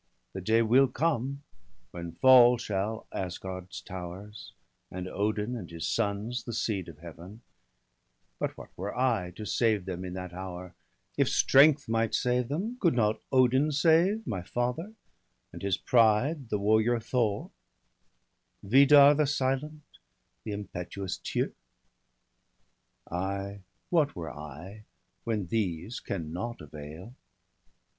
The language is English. The day will come, when fall shall Asgard's towers, And Odin, and his sons, the seed of Heaven; But what were I, to save them in that hour? 1 86 BALDER DEAD. If Strength might save them, could not Odin save, My father, and his pride, the warrior Thor, Vidar the silent, the impetuous Tyr? — I, what were I, when these can nought avail?